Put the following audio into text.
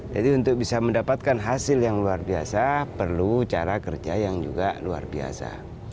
jadi untuk bisa mendapatkan hasil yang luar biasa perlu cara kerja yang juga luar biasa